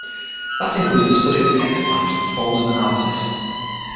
That includes the study of text types and forms of analysis.